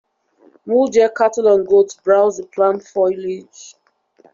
Mule deer, cattle, and goats browse the plant foliage.